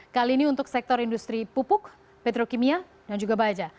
kali ini untuk sektor industri pupuk petrokimia dan juga baja